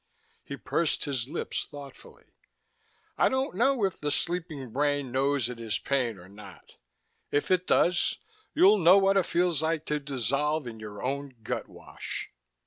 He pursed his lips thoughtfully. "I don't know if the sleeping brain knows it is pain or not. If it does, you'll know what it feels like to dissolve in your own gutwash...."